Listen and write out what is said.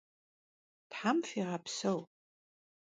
Them fiğepseu!